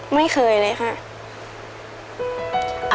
ไม่เคยเลยค่ะ